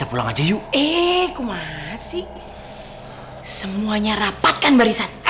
ada singkat suara aneh dari sana